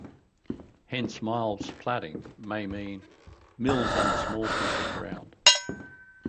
Hence Miles Platting may mean "mills on a small piece of ground".